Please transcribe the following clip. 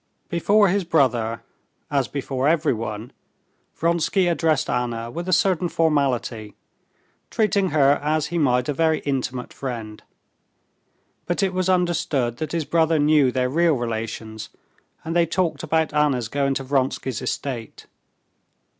Before his brother, as before everyone, Vronsky addressed Anna with a certain formality, treating her as he might a very intimate friend, but it was understood that his brother knew their real relations, and they talked about Anna's going to Vronsky's estate.